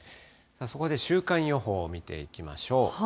そこで週間予報を見ていきましょう。